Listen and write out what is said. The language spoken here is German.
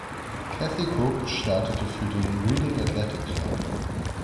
Kathy Cook startete für den "Reading Athletic Club.